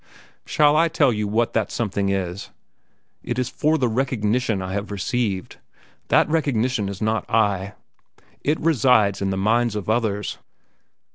Shall I tell you what that something is? It is for the recognition I have received. That recognition is not I. It resides in the minds of others.